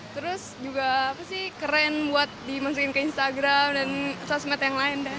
terus juga apa sih keren buat dimasukin ke instagram dan sosmed yang lain